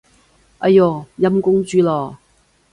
哎唷，陰公豬咯